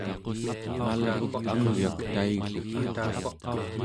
malruk angyak taiguk